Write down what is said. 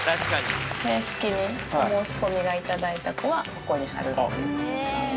正式に申し込みを頂いた子は、ここに貼るっていう形なので。